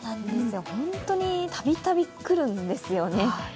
本当にたびたび来るんですよね。